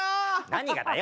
何がだよ？